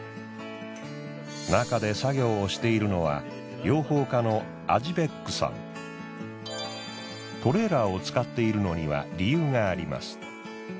中で作業をしているのはトレーラーを使っているのには理由があります。